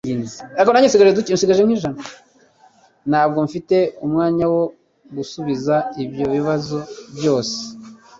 Ntabwo mfite umwanya wo gusubiza ibyo bibazo byose